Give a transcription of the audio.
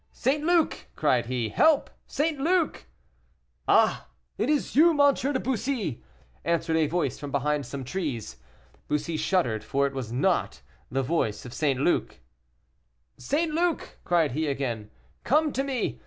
"St. Luc!" cried he, "help! St. Luc!" "Ah, it is you, M. de Bussy," answered a voice from behind some trees. Bussy shuddered, for it was not the voice of St. Luc. "St. Luc!" cried he again, "come to me!